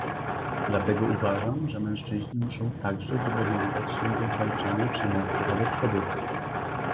Dlatego uważam, że mężczyźni muszą także zobowiązać się do zwalczania przemocy wobec kobiet